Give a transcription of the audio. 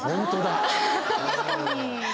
あ確かに。